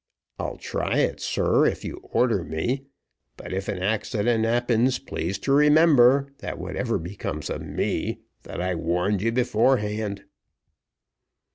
I'll try it, sir, if you order me; but if an accident happens, please to remember, whatever becomes of me, that I warned you beforehand."